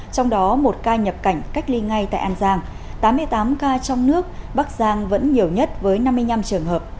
trong đó một ca nhập cảnh cách ly ngay tại an giang tám mươi tám ca trong nước bắc giang vẫn nhiều nhất với năm mươi năm trường hợp